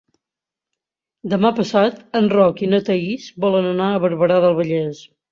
Demà passat en Roc i na Thaís volen anar a Barberà del Vallès.